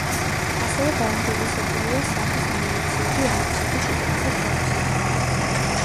ასევე გაუმჯობესებულია სახის ანიმაციები ემოციების უკეთესად გამოსახატად.